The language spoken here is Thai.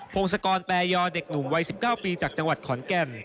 พงศกรแปรยอเด็กหนุ่มวัย๑๙ปีจากจังหวัดขอนแก่น